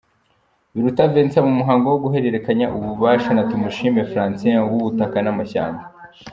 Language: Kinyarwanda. Biruta Vincent, mu muhango wo guhererekanya ububasha na Tumushime Francine w’Ubutaka n’Amashyamba.